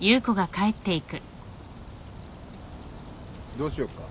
どうしようか？